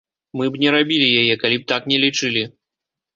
Мы б не рабілі яе, калі б так не лічылі.